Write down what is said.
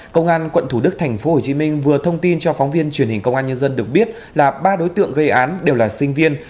công an quận thủ đức tp hcm vừa thông tin cho phóng viên truyền hình công an nhân dân được biết là ba đối tượng gây án đều là sinh viên